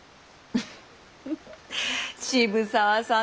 フフ渋沢さん